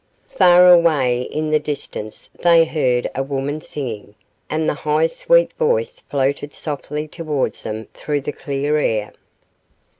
Far away in the distance they heard a woman singing, and the high sweet voice floated softly towards them through the clear air.